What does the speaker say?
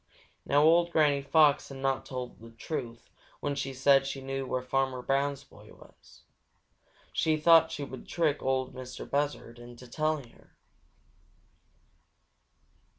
Now old Granny Fox had not told the truth when she said she knew where Farmer Brown's boy was. She thought she would trick Ol' Mistah Buzzard into telling her.